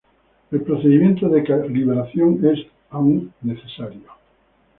El procedimiento de calibración es todavía necesario.